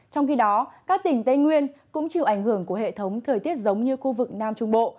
trong khi đó các tỉnh tây nguyên cũng chịu ảnh hưởng của hệ thống thời tiết giống như khu vực nam trung bộ